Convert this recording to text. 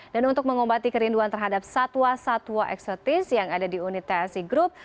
dan untuk mengobati kerinduan terhadap satwa satwa eksotis yang ada di unit tsi group